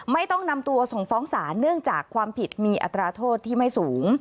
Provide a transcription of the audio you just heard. ไม่ต้องนำตัวส่งฟ้องศาลเนื่องจากความผิดมีอัตราโทษที่ไม่สูง